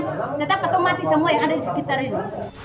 ternyata mati semua yang ada di sekitar ini